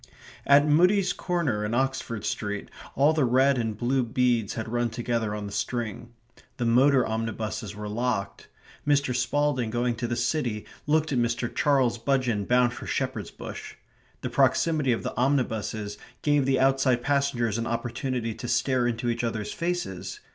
At Mudie's corner in Oxford Street all the red and blue beads had run together on the string. The motor omnibuses were locked. Mr. Spalding going to the city looked at Mr. Charles Budgeon bound for Shepherd's Bush. The proximity of the omnibuses gave the outside passengers an opportunity to stare into each other's faces.